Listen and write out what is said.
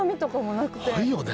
ないよね。